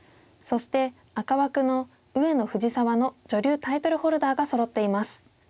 そして赤枠の上野藤沢の女流タイトルホルダーがそろっています。